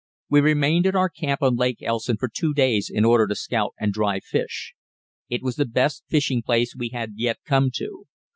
We remained in our camp on Lake Elson for two days in order to scout and dry fish. It was the best fishing place we had yet come to.